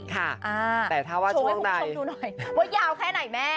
ชมมือคุณผู้ชมดูหน่อยวัวยาวแค่ไหนแม่